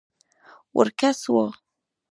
وړ کس وو.